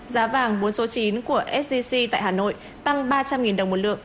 giá vàng bốn số chín của sgc tại hà nội tăng ba trăm linh đồng một lượng